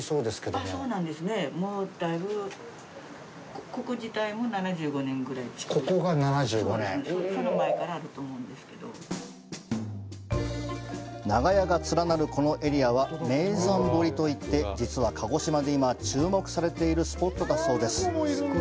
もう大分長屋が連なるこのエリアは名山堀といって、実は鹿児島で今、注目されているスポットだそうです。